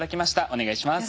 お願いします。